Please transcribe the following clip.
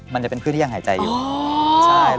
มันจะเป็นพืชที่ยังหายใจอยู่